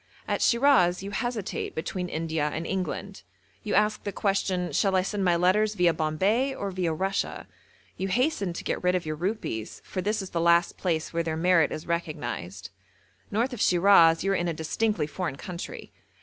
At Shiraz you hesitate between India and England. You ask the question, 'Shall I send my letters viâ Bombay, or viâ Russia?' You hasten to get rid of your rupees, for this is the last place where their merit is recognised. North of Shiraz you are in a distinctly foreign country.